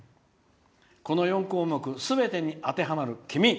この４項目すべてに当てはまる君！